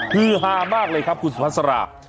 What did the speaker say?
เฮือหามากเลยครับคุณสุพัสรา